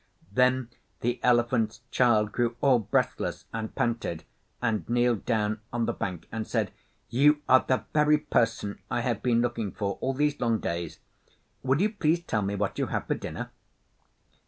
Then the Elephant's Child grew all breathless, and panted, and kneeled down on the bank and said, 'You are the very person I have been looking for all these long days. Will you please tell me what you have for dinner?